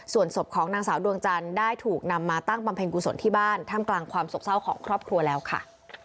ส่วนศพของนางสาวดวงจันทร์ได้ถูกนำมาตั้งบำเพ็ญกุศลที่บ้านท่ามกลางความสกเศร้าของครอบครัวแล้วค่ะ